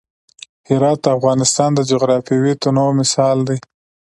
هرات د افغانستان د جغرافیوي تنوع مثال دی.